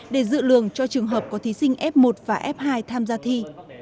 để dự lường cho trường hợp có thí sinh f một và f hai tham gia thi